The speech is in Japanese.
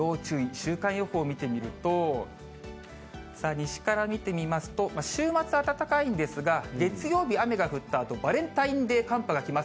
週間予報見てみると、西から見てみますと、週末、暖かいんですが、月曜日、雨が降ったあと、バレンタインデー寒波が来ます。